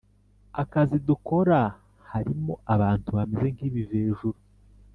akazi dukora harimo abantu bameze nkibivejuru